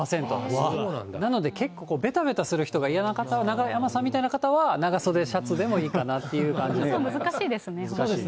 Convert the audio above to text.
なので、結構べたべたするのが嫌な方は、中山さんみたいな方は、長袖シャツでもいいかなという感じです。